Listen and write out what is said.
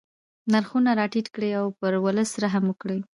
نرخونه را ټیټ کړي او پر ولس رحم وکړي.